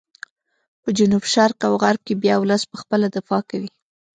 په جنوب شرق او غرب کې بیا ولس په خپله دفاع کوي.